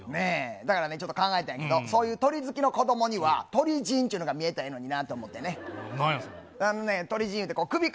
だからちょっと考えたんやけど、そういう鳥好きの子どもには、鳥人っていうのが見えたらいいのにね。